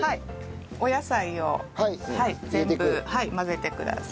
お野菜を全部混ぜてください。